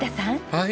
はい。